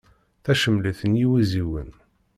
Tacemlit n yiwiziwen.